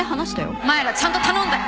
お前らちゃんと頼んだよ。